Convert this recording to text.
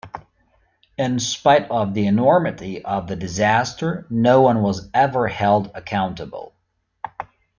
In spite of the enormity of the disaster, no one was ever held accountable.